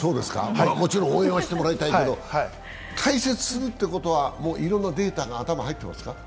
もちろん応援をしてもらいたいけど、解説するということはいろいろなデータが頭に入っていますか？